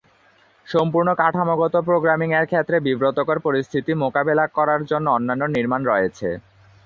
সম্পূর্ণ কাঠামোগত প্রোগ্রামিং-এর ক্ষেত্রে বিব্রতকর পরিস্থিতি মোকাবেলা করার জন্য অন্যান্য নির্মাণ রয়েছে।